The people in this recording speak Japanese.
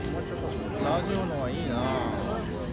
・ラジオの方がいいなあ。